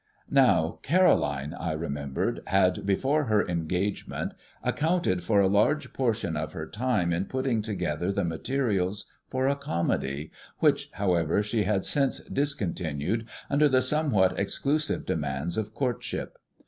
Now Caroline, I remembered, had, before her engagement, accounted for a large portion of her time in putting together the materials for a comedy, which, however, she had since discontinued under the somewhat exclusive demands of courtship.